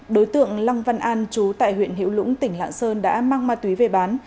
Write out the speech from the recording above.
đối tượng lăng văn an chú tại huyện hiểu lũng tỉnh lạng sơn đã mang ma túy về bán